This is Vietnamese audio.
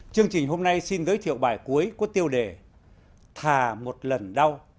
chương trình hôm nay xin giới thiệu bài cuối có tiêu đề thà một lần đau